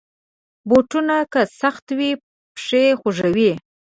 بوټونه که سخت وي، پښه خوږوي.